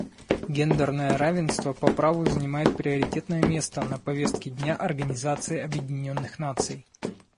Гендерное равенство по праву занимает приоритетное место на повестке дня Организации Объединенных Наций.